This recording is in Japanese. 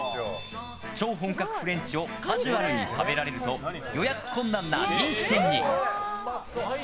超本格フレンチをカジュアルに食べられると予約困難な人気店に。